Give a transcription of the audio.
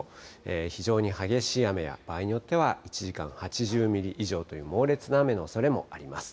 非常に激しい雨が場合によっては１時間に８０ミリ以上という猛烈な雨のおそれもあります。